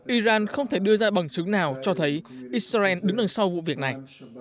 iran không thể đưa ra bằng chứng nào cho thấy israel đứng đằng sau vụ việc này